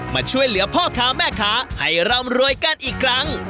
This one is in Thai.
มาช่วยเหลือพ่อค้าแม่ค้าให้ร่ำรวยกันอีกครั้ง